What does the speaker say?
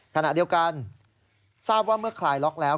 ขณะเดียวกันทราบว่าเมื่อคลายล็อกแล้ว